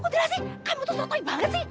kuntilasi kamu tuh sotoi banget sih